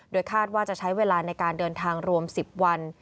คาดว่าจะใช้เวลาในการเดินทางรวม๑๐วัน